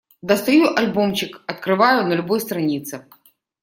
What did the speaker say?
Достаю альбомчик, открываю — на любой странице.